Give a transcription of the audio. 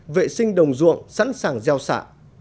vệ sinh đồng ruộng sẵn sàng gieo xạ